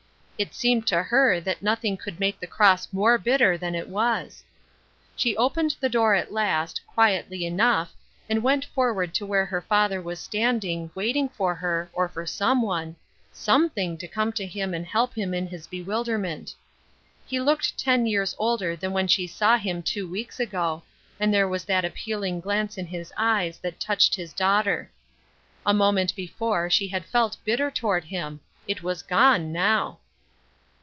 It seemed to her that nothing could make the cross more bitter than it was. She opened the door at last, quietly enough, and went forward to where her father was standing, waiting for her, or for some one — something to come to him and help him in his bewilderment. He looked ten years older than when she saw him two weeks ago, and there waj« that appeaKng glance in his eyes that touched his daughter. A moment before she had felt bitter toward him. It was gone now.